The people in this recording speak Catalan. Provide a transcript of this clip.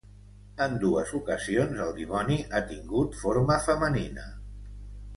En dues ocasions el dimoni ha tingut forma femenina.